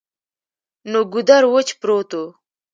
نو ګودر وچ پروت وو ـ